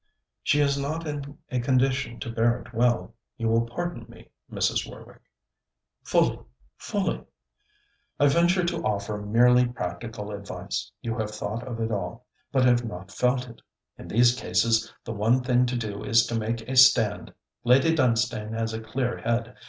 'She is not in a condition to bear it well. You will pardon me, Mrs. Warwick...' 'Fully! Fully!' 'I venture to offer merely practical advice. You have thought of it all, but have not felt it. In these cases, the one thing to do is to make a stand. Lady Dunstane has a clear head.